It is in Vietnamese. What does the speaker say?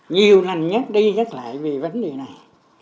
nhiều lần nhắc đi nhắc lại về vấn đề này